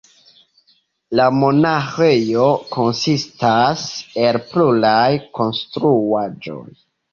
La monaĥejo konsistas el pluraj konstruaĵoj.